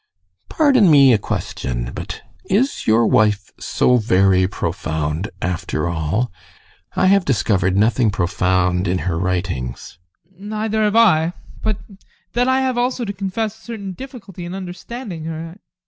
Pardon me a question: but is your wife so very profound after all? I have discovered nothing profound in her writings. ADOLPH. Neither have I. But then I have also to confess a certain difficulty in understanding her.